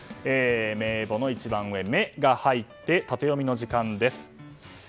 名簿の一番上「メ」が入ってタテヨミの時間です。